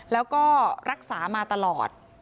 แล้วก็รักษามาตลอด